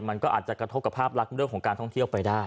มันก็อาจจะกระทบกับภาพลักษณ์เรื่องของการท่องเที่ยวไปได้